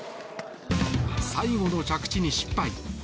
最後の着地に失敗。